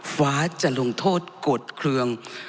ฟ้าจะลงโทษกฎเครื่อง